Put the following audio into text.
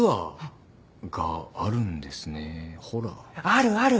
あるある。